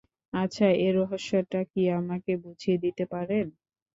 আচ্ছা, এর রহস্যটা কী আমাকে বুঝিয়ে দিতে পারেন?